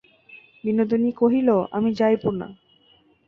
বিনোদিনী কহিল, আমি যাইব না।